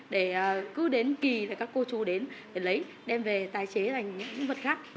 để cứ đến kỳ là các cô chú đến để lấy đem về tái chế thành những vật khác